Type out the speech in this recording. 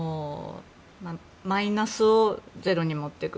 マイナスをゼロに持っていく。